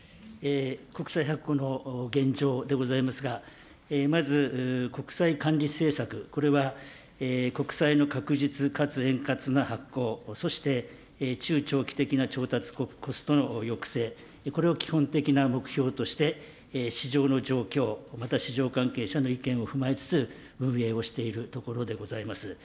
国債発行の現状でございますが、まず国債管理政策、これは国債の確実かつ円滑な発行、そして中長期的な調達コストの抑制、これを基本的な目標として、市場の状況、また市場関係者の意見を踏まえつつ、運営をしているところでございます。